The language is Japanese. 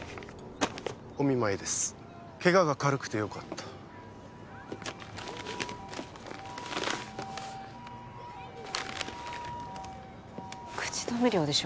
お見舞いですケガが軽くてよかった口止め料でしょ